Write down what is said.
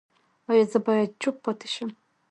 ایا زه باید چوپ پاتې شم؟